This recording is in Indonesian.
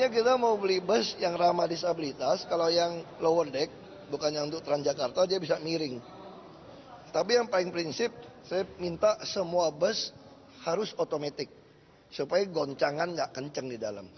kecangan nggak kencang di dalam